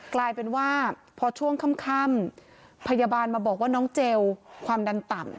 กลายเป็นว่าพอช่วงค่ำพยาบาลมาบอกว่าน้องเจลความดันต่ำ